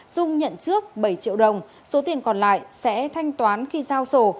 dung nhận trước bảy triệu đồng số tiền còn lại sẽ thanh toán khi giao sổ